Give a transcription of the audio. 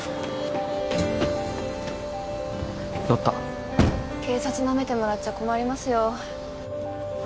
乗った警察ナメてもらっちゃ困りますよ